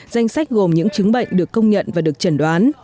danh sách gồm những chứng bệnh được công nhận và được chẩn đoán